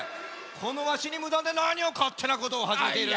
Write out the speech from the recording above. このわしにむだんでなにをかってなことをはじめている。